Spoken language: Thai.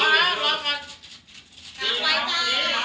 ยอมเล้อ